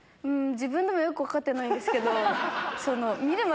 自分でもよく分かってないけど。